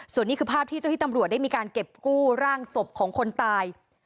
ส่วนนี้คือภาพที่เจ้าที่ตำรวจได้มีการเก็บกู้ร่างศพของคนตาย